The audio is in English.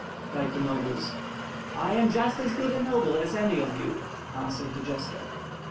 cried the nobles. "I am just as good a noble as any of you!" answered the jester.